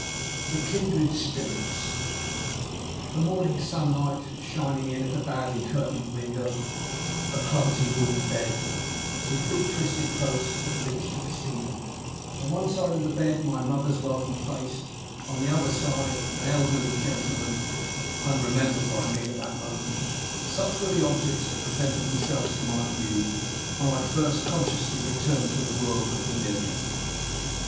THE KINDRED SPIRITS THE morning sunlight shining in at a badly curtained window; a clumsy wooden bed, with big twisted posts that reached to the ceiling; on one side of the bed, my mother's welcome face; on the other side, an elderly gentleman unremembered by me at that moment such were the objects that presented themselves to my view, when I first consciously returned to the world that we live in.